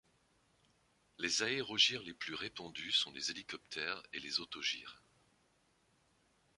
Les aérogires les plus répandus sont les hélicoptères et les autogires.